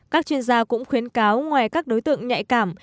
các chuyên gia cũng khuyến cáo ngoài các đối tượng nhạy cảm